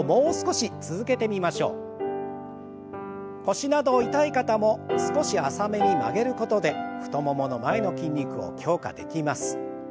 腰など痛い方も少し浅めに曲げることで太ももの前の筋肉を強化できます。